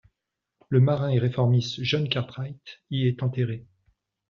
Le marin et réformiste John Cartwright y est enterré.